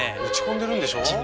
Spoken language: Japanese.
打ち込んでるんでしょ？